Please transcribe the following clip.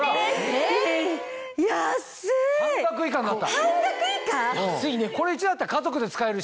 半額以下になった。